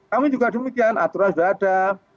kami juga demikian aturan sudah ada